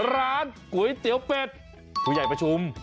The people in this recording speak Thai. ร้านก๋วยเตี๋ยวเป็ดผู้ใหญ่ประชุม